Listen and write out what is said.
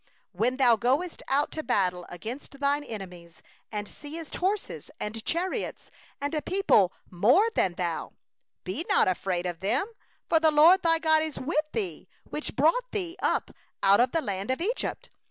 When thou goest forth to battle against thine enemies, and seest horses, and chariots, and a people more than thou, thou shalt not be afraid of them; for the LORD thy God is with thee, who brought thee up out of the land of Egypt.